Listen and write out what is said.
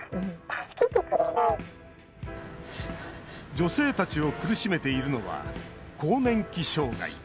女性たちを苦しめているのは更年期障害。